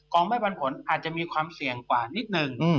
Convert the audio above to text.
องไม่ปันผลอาจจะมีความเสี่ยงกว่านิดนึง